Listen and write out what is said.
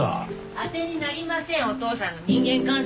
当てになりませんお義父さんの人間観察なんて。